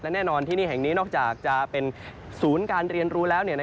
แน่นอนที่นี่แห่งนี้นอกจากจะเป็นศูนย์การเรียนรู้แล้ว